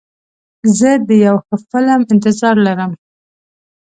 زه د یو ښه فلم انتظار لرم.